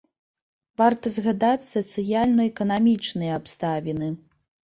Варта згадаць сацыяльна-эканамічныя абставіны.